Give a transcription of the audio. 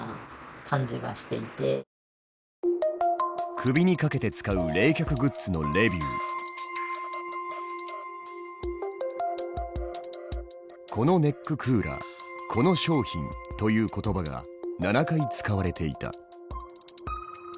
首にかけて使う「このネッククーラー」「この商品」という言葉が７回使われていた。